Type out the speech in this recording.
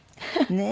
ねえ。